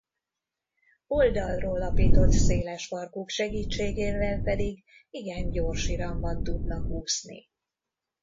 Oldalról lapított széles farkuk segítségével pedig igen gyors iramban tudnak úszni.